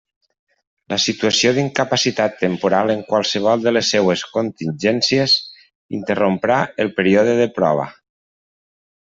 La situació d'incapacitat temporal en qualsevol de les seues contingències interromprà el període de prova.